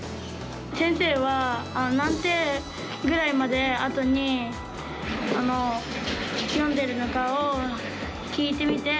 先生は何手ぐらいまであとに読んでるのかを聞いてみて。